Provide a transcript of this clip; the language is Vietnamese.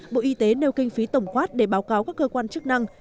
bộ y tế nêu kinh phí tổng quát để báo cáo các cơ quan chức năng